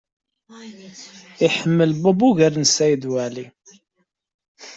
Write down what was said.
Iḥemmel Bob ugar n Saɛid Waɛli.